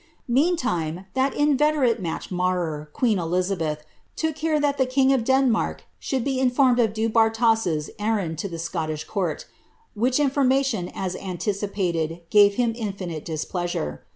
Meantime, tliat inveterate match marrer. queen FJio hi'tli, took care that tlic king of Denmark s^houhl be informed of Do liurias' errand at the Scottish cimrl, which information, as anlicijalni. gave him intinite displeasure.